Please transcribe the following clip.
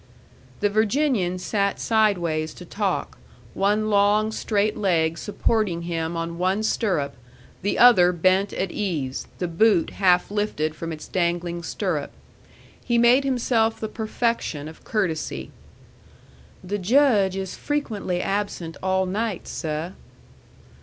The Virginian sat sidewise to talk, one long, straight leg supporting him on one stirrup, the other bent at ease, the boot half lifted from its dangling stirrup. He made himself the perfection of courtesy. "The Judge is frequently absent all night, seh."